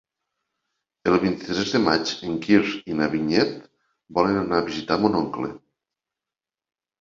El vint-i-tres de maig en Quirze i na Vinyet volen anar a visitar mon oncle.